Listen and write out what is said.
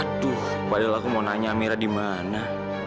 aduh padahal aku mau nanya amira di mana